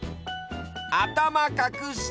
「あたまかくして」。